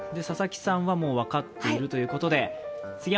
佐々木さんはもう分かっているということで。